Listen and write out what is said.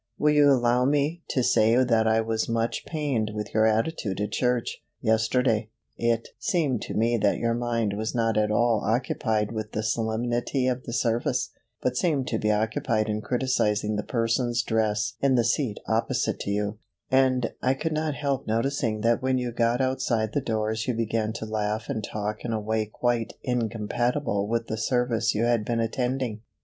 Will you allow me to say that I was much pained with your attitude at church, yesterday. It seemed to me that your mind was not at all occupied with the solemnity of the service, but seemed to be occupied in criticising the person's dress in the seat opposite to you, and I could not help noticing that when you got outside the doors you began to laugh and talk in a way quite incompatible with the service you had been attending?"